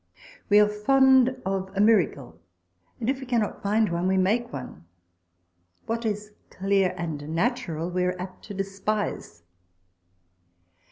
We are fond of a miracle ; and if we cannot find one we make one. What is clear and natural we are apt to despise.